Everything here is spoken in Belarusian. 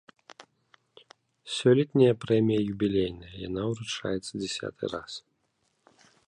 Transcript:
Сёлетняя прэмія юбілейная, яна ўручаецца дзясяты раз.